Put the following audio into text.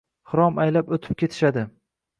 hirom aylab o‘tib ketishadi